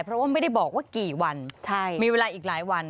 เพราะว่าไม่ได้บอกว่ากี่วันมีเวลาอีกหลายวัน